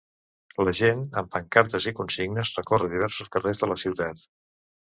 La gent, amb pancartes i consignes, recorre diversos carrers de la ciutat.